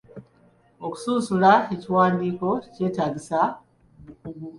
Okusunsula ekiwandiiko kyetaagisa obukugu.